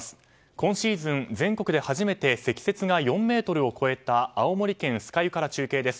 今シーズン全国で初めて積雪が４ｍを超えた青森県酸ヶ湯から中継です。